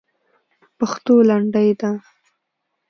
پښتو لنډۍ ده.